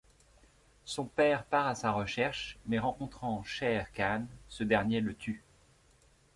Son père part à sa recherche mais rencontrant Shere Khan, ce dernier le tue.